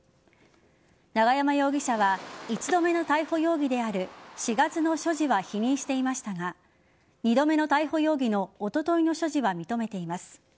永山容疑者は１度目の逮捕容疑である４月の所持は否認していましたが２度目の逮捕容疑のおとといの所持は認めています。